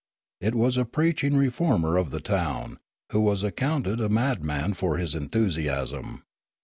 It was a preaching reformer of the town, who was accounted a madman for his enthusiasm.